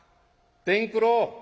伝九郎